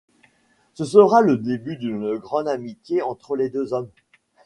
Ce sera le début d'une grande amitié entre les deux hommes.